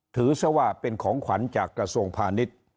ถือซะว่าเป็นของขวัญจากกระทรวงพาณิชย์